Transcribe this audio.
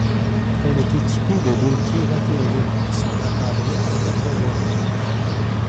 Elle est équipée de deux quais latéraux qui sont encadrés par quatre voies.